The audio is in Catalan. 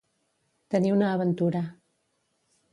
Tenir una aventura.